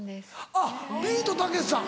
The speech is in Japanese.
あっビートたけしさん。